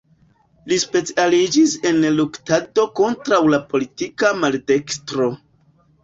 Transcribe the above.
Li specialiĝis en luktado kontraŭ la politika maldekstro.